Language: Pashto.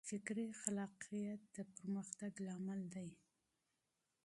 فکري خلاقیت د پرمختګ لامل دی.